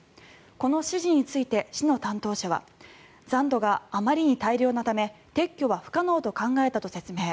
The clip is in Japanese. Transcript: この指示について市の担当者は残土があまりに大量のため撤去は不可能と考えたと説明。